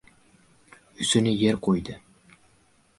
Yuzini yer qo‘ydi.